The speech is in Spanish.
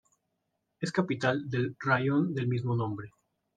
Es capital del raión del mismo nombre.